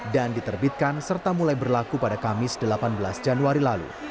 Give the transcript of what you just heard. diterbitkan serta mulai berlaku pada kamis delapan belas januari lalu